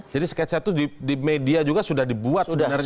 jadi sketsa itu di media juga sudah dibuat sebenarnya ya